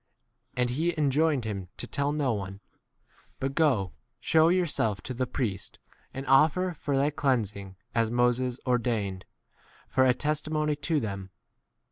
And lie enjoined him to tell no one ; but go, shew thyself to the priest, and offer for thy cleans ing as Moses ordained, for a testi 15 mony to them.